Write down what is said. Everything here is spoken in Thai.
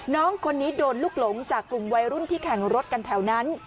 น้องคนนี้โดนลูกหลงจากกลุ่มวัยรุ่นที่แข่งรถกันแถวนั้น